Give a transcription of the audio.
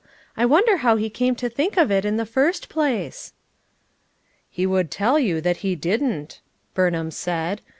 I wonder how he camo to think of it in the first placet" "He would tell you that he didn't," Burnham said.